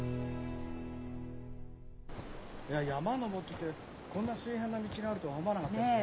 いや山登ってこんな水平な道があるとは思わなかったですね。